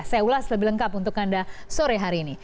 saya ulas lebih lengkap untuk anda sore hari ini